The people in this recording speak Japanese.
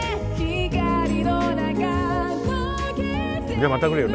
じゃあまた来るよ。